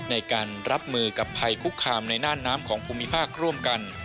ในการรับมือกับภัยคุกคามในน่านน้ำของภูมิภาคร่วมกัน